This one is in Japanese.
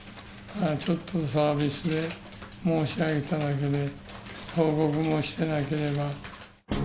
ちょっとサービスで申し上げただけで、報告もしてなければ。